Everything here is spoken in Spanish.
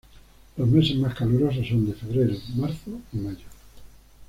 Los meses más calurosos son de febrero, marzo y mayo.